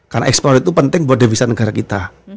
karena ekspor itu penting buat devisa negara kita